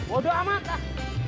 bodoh amat dah